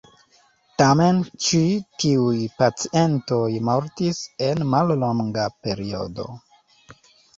Tamen ĉi tiuj pacientoj mortis en mallonga periodo.